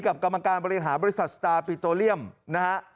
กรรมการบริหารบริษัทสตาร์ปิโตเรียมนะฮะ